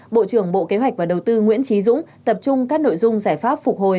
bộ trưởng bộ kế hoạch và đầu tư nguyễn trí dũng tập trung các nội dung giải pháp phục hồi